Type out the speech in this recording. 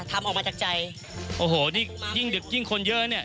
ทำออกมาจากใจโอ้โหนี่ยิ่งดึกยิ่งคนเยอะเนี่ย